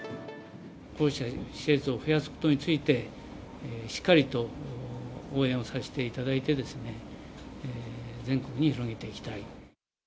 こうした施設を増やすことについて、しっかりと応援をさせていただいて、全国に広げていきたい。